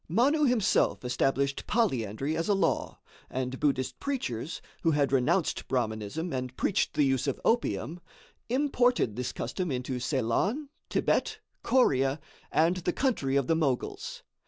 Manu himself established polyandry as a law, and Buddhist preachers, who had renounced Brahminism and preached the use of opium, imported this custom into Ceylon, Thibet, Corea, and the country of the Moguls.